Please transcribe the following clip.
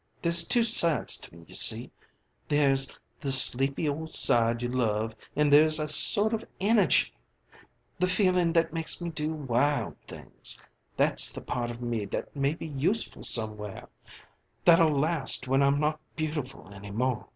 There's two sides to me, you see. There's the sleepy old side you love an' there's a sort of energy the feeling that makes me do wild things. That's the part of me that may be useful somewhere, that'll last when I'm not beautiful any more."